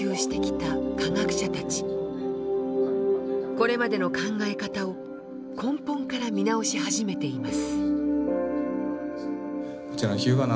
これまでの考え方を根本から見直し始めています。